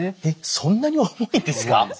そんなに重いんですか？